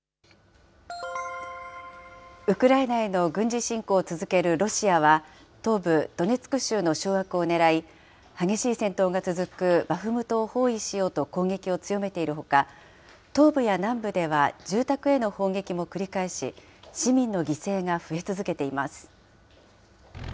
ウクライナへの軍事侵攻を続けるロシアは、東部ドネツク州の掌握をねらい、激しい戦闘が続くバフムトを包囲しようと、攻撃を強めているほか、東部や南部では住宅への砲撃も繰り返し、市民の犠牲が増え続けています。